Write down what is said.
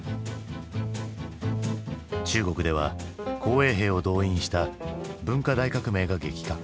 中国では紅衛兵を動員した文化大革命が激化。